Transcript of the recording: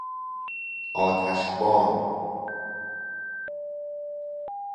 آتش بان